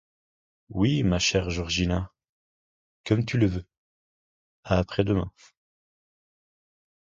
Oui, ma chère Georgina, comme tu le veux ; à après-demain.